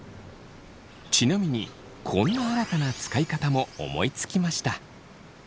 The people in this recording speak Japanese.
ちなみにこんな新たな使い方も思いつきました。